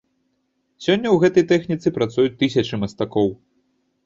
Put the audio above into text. Сёння ў гэтай тэхніцы працуюць тысячы мастакоў.